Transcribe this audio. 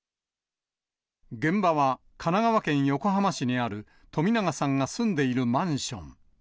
現場は神奈川県横浜市にある冨永さんが住んでいるマンション。